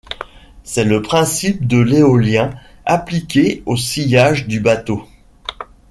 C'est le principe de l'éolien appliqué au sillage du bateau.